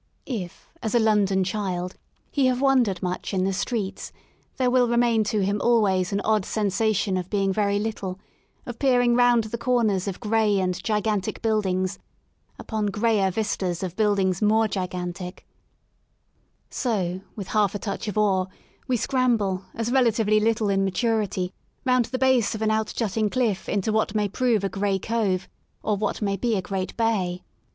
If, as a London child, he have wandered much in the streets, there will remain to him always an odd sensation of being very little, of peering round the corners of gray and gigantic buildings upon grayer vistas of build ings more gigantic — so, with a half touch of awe, we scramble, as relatively little in maturity, round the base of an out jutting cliff into what may prove a gray cove 4 FROM A DISTANCE or what may be a great bay.